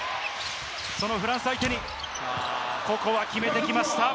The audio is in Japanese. そのフランス相手に、ここは決めてきました。